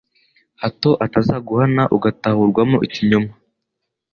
hato atazaguhana ugatahurwaho ikinyoma